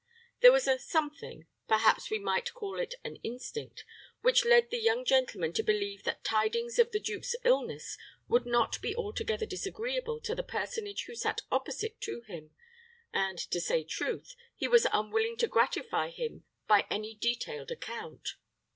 There was a something perhaps we might call it an instinct which led the young gentleman to believe that tidings of the duke's illness would not be altogether disagreeable to the personage who sat opposite to him, and to say truth, he was unwilling to gratify him by any detailed account.